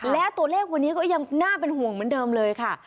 และตัวเลขวันนี้ก็ยังน่าเป็นห่วงเหมือนเดิมเลยค่ะ